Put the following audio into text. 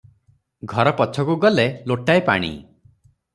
ଘର ପଛକୁ ଗଲେ ଲୋଟାଏ ପାଣି ।